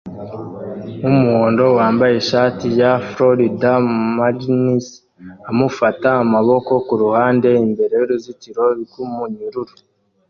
wumuhondo wambaye ishati ya Florida Marlins amufata amaboko kuruhande imbere yuruzitiro rwumunyururu